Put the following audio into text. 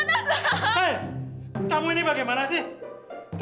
sampai jumpa di video selanjutnya